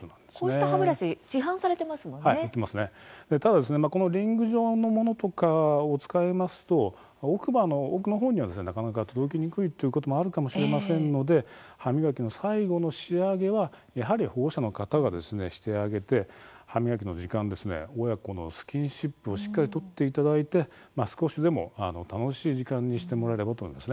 ただ、こういったリング状のものなどを使うと奥歯の奥のほうにはなかなか届きにくいということもあるかもしれませんので歯磨きの最後の仕上げはやはり保護者の方がしてあげて歯磨きの時間親子のスキンシップをしっかり取っていただいて少しでも楽しい時間にしてもらえればと思います。